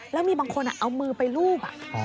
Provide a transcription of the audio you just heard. แล้วมีบางคนเอามือไปรูป